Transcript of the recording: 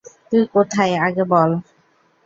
তুই কোথায় আগে বল?